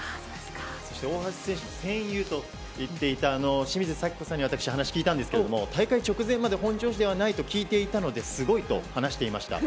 そして大橋選手を戦友と言っていた清水咲子さんにお話を聞いたんですけど大会直前まで本調子ではないと聞いていたのですごいと話していました。